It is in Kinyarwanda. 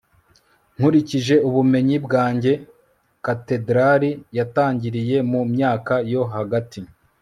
nkurikije ubumenyi bwanjye, katedrali yatangiriye mu myaka yo hagati